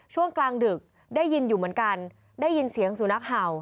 ช่วงกลางดึกได้ยินอยู่เหมือนกันได้ยินเสียงสุนัขเห่า